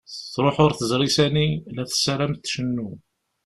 Truḥ ur teẓri sani, la tessaram tcennu.